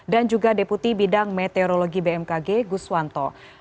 dan juga deputi bidang meteorologi bmkg gus wanto